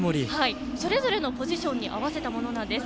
それぞれのポジションに合わせたものなんです。